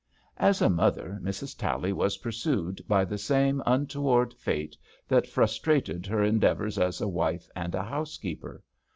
As a mother, Mrs. Tally was pursued by the same untoward fate that frustrated her 59 HAMPSHIRE VIGNETTES endeavours as a wife, and a housekeeper.